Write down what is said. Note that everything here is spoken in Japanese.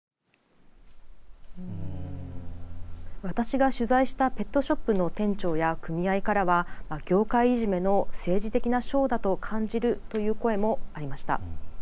私が取材したペットショップの店長や組合からは、業界いじめの政治的なショーだと感じるという声もありました。